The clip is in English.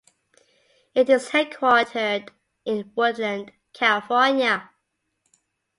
It is headquartered in Woodland, California.